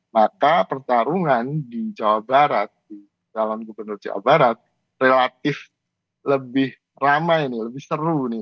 maka pertarungan di jawa barat di jalan gubernur jawa barat relatif lebih ramai ini lebih seru nih